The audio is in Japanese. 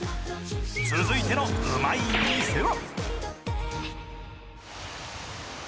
続いてのうまい店は？